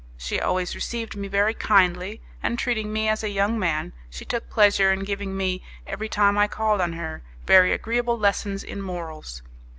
She always received me very kindly, and, treating me as a young man, she took pleasure in giving me, every time I called on her, very agreeable lessons in morals.